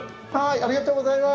ありがとうございます。